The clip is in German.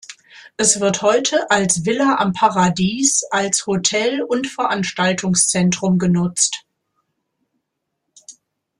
Es wird heute als Villa am Paradies als Hotel und Veranstaltungszentrum genutzt.